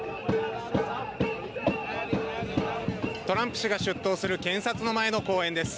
トランプ氏が出頭する検察の前の公園です。